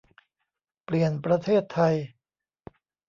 'เปลี่ยนประเทศไทย'